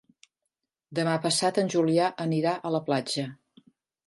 Demà passat en Julià anirà a la platja.